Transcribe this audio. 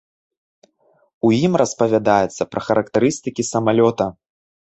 У ім распавядаецца пра характарыстыкі самалёта.